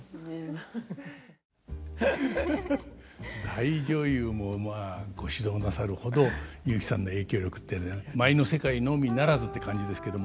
大女優もまあご指導なさるほど雄輝さんの影響力って舞の世界のみならずって感じですけども。